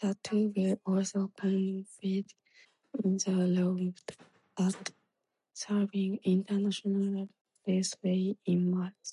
The two will also compete in the round at Sebring International Raceway in March.